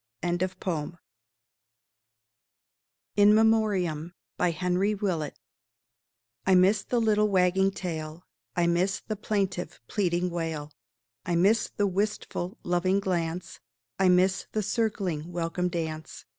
WILLIAM WATSON. IN MEMORIAM I miss the little wagging tail; I miss the plaintive, pleading wail; I miss the wistful, loving glance; I miss the circling welcome dance.